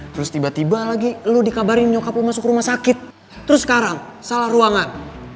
terus tiba tiba lagi lo dikabarin nyokap lo masuk rumah sakit terus sekarang salah ruangan